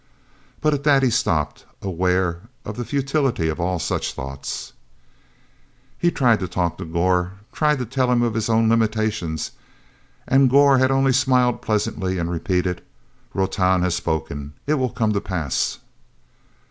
But at that he stopped, aware of the futility of all such thoughts. He had tried to talk to Gor, tried to tell him of his own limitations. And Gor had only smiled pleasantly and repeated "Rotan has spoken. It will come to pass!"